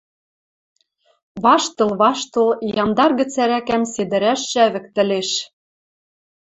Ваштыл-ваштыл, ямдар гӹц ӓрӓкӓм седӹрӓш шӓвӹктӹлеш.